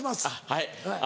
はい。